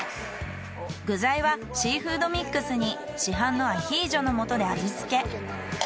具材はシーフードミックスに市販のアヒージョの素で味付け。